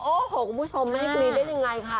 โอ้โหคุณผู้ชมไม่ให้กรี๊ดได้ยังไงคะ